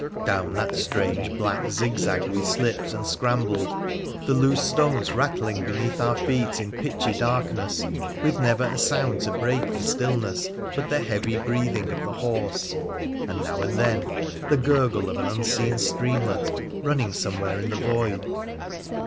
Down that strange black zigzag we slipped and scrambled, the loose stones rattling beneath our feet, in pitchy darkness, with never a sound to break the stillness but the heavy breath ing of the horse, and now and then the gurgle of an unseen streamlet running somewhere in the void.